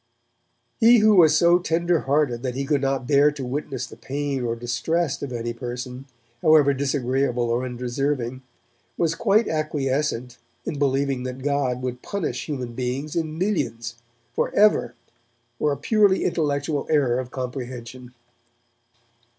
He who was so tender hearted that he could not bear to witness the pain or distress of any person, however disagreeable or undeserving, was quite acquiescent in believing that God would punish human beings, in millions, for ever, for a purely intellectual error of comprehension.